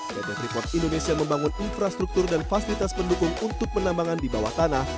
pt freeport indonesia membangun infrastruktur dan fasilitas pendukung untuk penambangan di bawah tanah